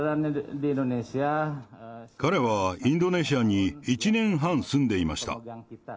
彼はインドネシアに１年半住んでいました。